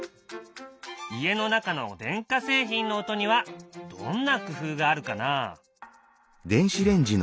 家の中の電化製品の音にはどんな工夫があるかな？